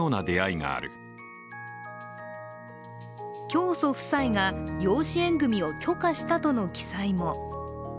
教祖夫妻が養子縁組を許可したとの記載も。